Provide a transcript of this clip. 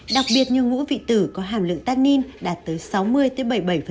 đặc biệt như ngũ vị tử có hàm lượng tannin đạt tới sáu mươi bảy mươi bảy